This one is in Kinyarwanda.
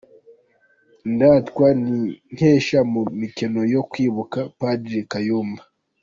Indatwa n’Inkesha mu mikino yo kwibuka Padiri Kayumba